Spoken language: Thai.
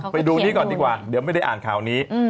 ไปดูนี้ก่อนดีกว่าเดี๋ยวไม่ได้อ่านข่าวนี้